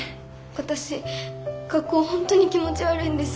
私学校ほんとに気持ち悪いんです。